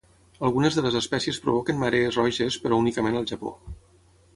Algunes de les espècies provoquen marees roges, però únicament al Japó.